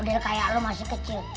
dia kayak lo masih kecil